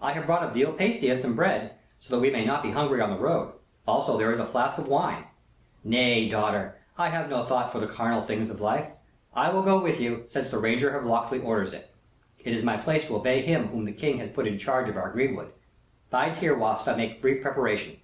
"I have brought a veal pasty and some bread, so that we may not be hungry on the road. Also, there is a flask of wine." "Nay, daughter, I have no thought for the carnal things of life. I will go with you, since the Ranger of Locksley orders it. It is my place to obey him whom the King has put in charge of our greenwood. Bide here whilst I make brief preparation."